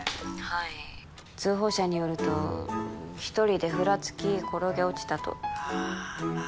はい通報者によると「一人でふらつき転げ落ちた」とああま